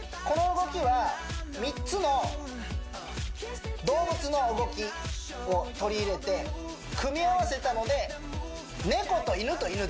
この動きは３つの動物の動きを取り入れて組み合わせたのでえっ！？